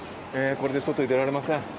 これで外へ出られません。